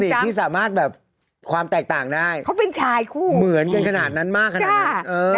ที่สามารถแบบความแตกต่างได้เขาเป็นชายคู่เหมือนกันขนาดนั้นมากขนาดนั้นเออ